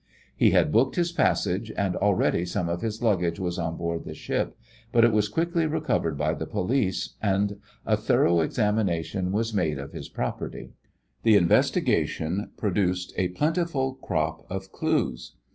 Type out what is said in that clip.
He had booked his passage, and already some of his luggage was on board the ship, but it was quickly recovered by the police, and a thorough examination was made of his property. The investigation produced a plentiful crop of clues.